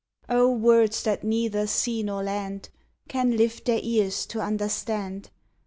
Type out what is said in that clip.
Oh, words that neither sea nor land Can lift their ears to understand!